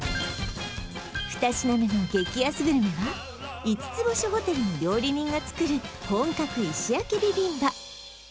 ２品目の激安グルメは五つ星ホテルの料理人が作る本格石焼ビビンバ